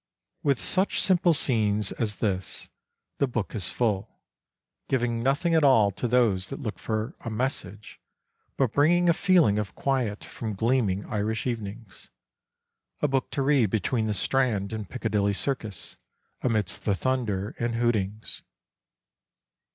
With such simple scenes as this the book is full, giving nothing at all to those that look for a " message," but bringing a feeling of quiet from gleaming Irish evenings, a book to read between the Strand and Piccadilly Circus amidst the thunder and hootings.